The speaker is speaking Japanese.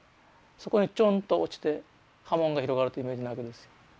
そこにちょんと落ちて波紋が広がるというイメージなわけですよ。